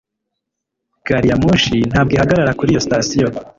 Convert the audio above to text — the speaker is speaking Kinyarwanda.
gariyamoshi ntabwo ihagarara kuri iyo sitasiyo